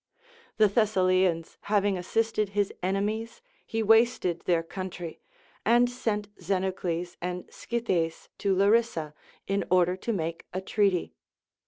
The Thessalians having assisted his enemies, he wasted their country, and sent Xenocles and Scythes to Larissa in order to make a treaty.